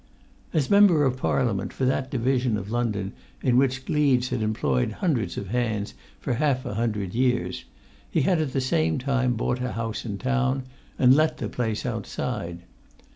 As Member of Parliament for that division of London in which Gleeds had employed hundreds of hands for half[Pg 80] a hundred years, he at the same time bought a house in town, and let the place outside.